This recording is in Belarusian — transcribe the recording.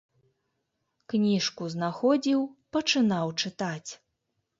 Кніжку знаходзіў, пачынаў чытаць.